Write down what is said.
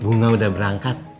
bunga udah berangkat